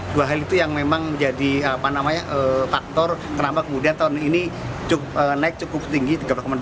dua hal itu yang memang menjadi faktor kenapa kemudian tahun ini naik cukup tinggi